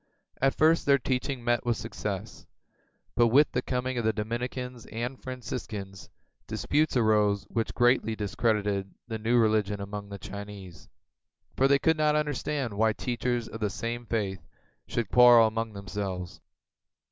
At first their teaching met with success, but with the coming of the Dominicans and Franciscans, disputes arose which greatly discredited the new religion among the Chinese, for they could not understand why teachers of the same faith should quarrel among themselves.